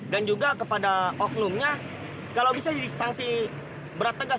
dan juga kepada oknumnya kalau bisa disangsi berat tegas